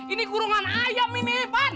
ini kurungan ayam ini hebat